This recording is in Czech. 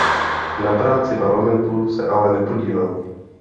Na práci parlamentu se ale nepodílel.